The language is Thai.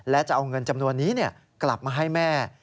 และจะเอาเงินจำนวนนี้กลับมาให้แม่